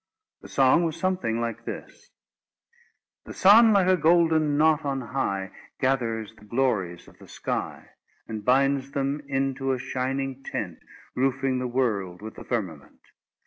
The song was something like this: The sun, like a golden knot on high, Gathers the glories of the sky, And binds them into a shining tent, Roofing the world with the firmament.